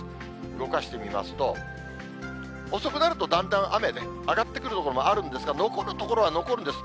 動かしてみますと、遅くなると、だんだん雨ね、上がってくる所もあるんですが、残る所は残るんです。